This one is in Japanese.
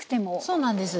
そうなんです。